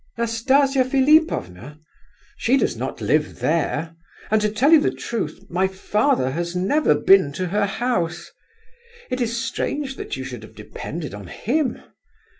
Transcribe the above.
"Nastasia Philipovna? She does not live there, and to tell you the truth my father has never been to her house! It is strange that you should have depended on him!